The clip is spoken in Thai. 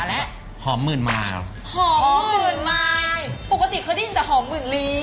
และหอมหมื่นไมล์หอมหมื่นไมล์ปกติเค้าได้ยินแต่หอมหมื่นลี้